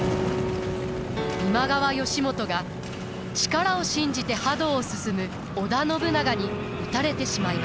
今川義元が力を信じて覇道を進む織田信長に討たれてしまいます。